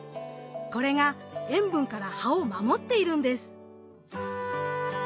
これが塩分から葉を守っているんです！